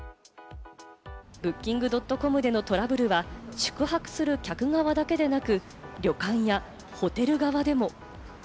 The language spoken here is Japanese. Ｂｏｏｋｉｎｇ．ｃｏｍでのトラブルは宿泊する客側だけでなく、旅館やホテル側でも。